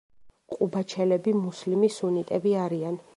ყუბაჩელები მუსლიმი სუნიტები არიან.